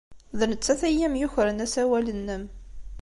D nettat ay am-yukren asawal-nnem.